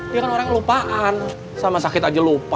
dia kan orang yang lupaan sama sakit aja lupa